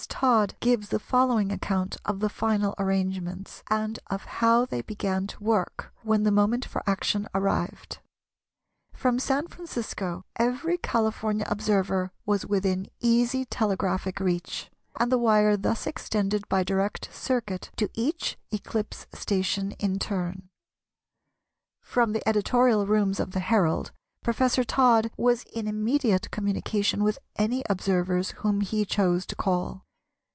Todd gives the following account of the final arrangements, and of how they began to work when the moment for action arrived:—"From San Francisco every California observer was within easy telegraphic reach, and the wire thus extended by direct circuit to each eclipse station in turn. From the editorial rooms of the Herald Professor Todd was in immediate communication with any observers whom he chose to call.